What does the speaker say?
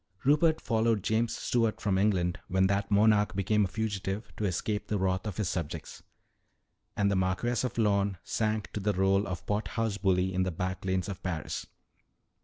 "Rupert followed James Stuart from England when that monarch became a fugitive to escape the wrath of his subjects. And the Marquess of Lorne sank to the role of pot house bully in the back lanes of Paris."